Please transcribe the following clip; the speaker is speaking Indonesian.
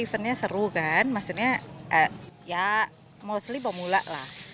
eventnya seru kan maksudnya ya mostly pemula lah